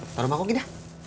taruh maku gitu